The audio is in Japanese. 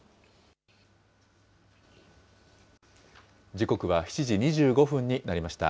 時刻は７時２５分になりました。